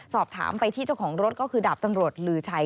สอบถามไปที่เจ้าของรถก็คือดาบตำรวจลือชัย